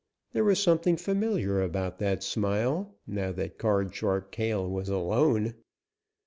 There was something familiar about that smile, now that Card Sharp Cale was alone.